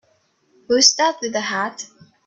Who's that with the hat?